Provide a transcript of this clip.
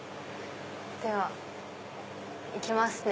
では行きますね。